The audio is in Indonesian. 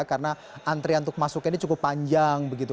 karena antrean untuk masuknya ini cukup panjang begitu